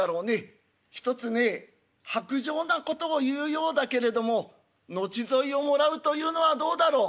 ひとつね薄情なことを言うようだけれども後添いをもらうというのはどうだろう。